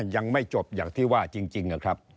ยังไม่จบอย่างที่ว่าจริงนะครับ